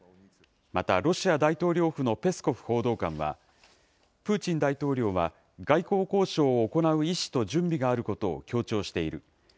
またロシア大統領府のペスコフ報道官は、プーチン大統領は、外交交渉を行う意思と準備があることを強調している。